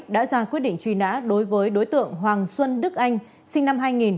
đã ra quyết định truy nã đối với đối tượng hoàng xuân đức anh sinh năm hai nghìn